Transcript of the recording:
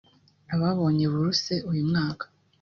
Ababonye buruse uyu mwaka